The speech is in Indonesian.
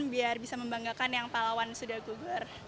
biar bisa membanggakan yang pahlawan sudah gugur